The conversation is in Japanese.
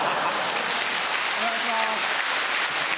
お願いします。